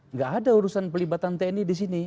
nggak ada urusan pelibatan tni di sini